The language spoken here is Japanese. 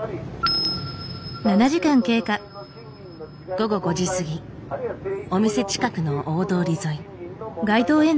午後５時過ぎお店近くの大通り沿い。